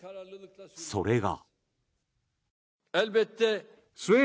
それが。